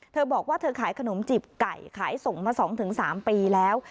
เธอบอกว่าเธอขายขนมจีบไก่ขายส่งมา๒๓ปีแล้ว